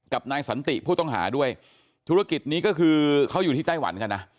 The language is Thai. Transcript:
นายสันติผู้ต้องหาด้วยธุรกิจนี้ก็คือเขาอยู่ที่ไต้หวันกันนะ